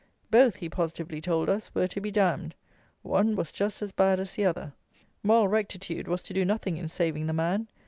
Both, he positively told us, were to be damned. One was just as bad as the other. Moral rectitude was to do nothing in saving the man.